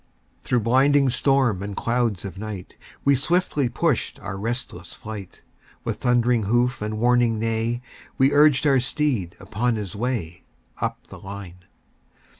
Through blinding storm and clouds of night, We swiftly pushed our restless flight; With thundering hoof and warning neigh, We urged our steed upon his way Up the line.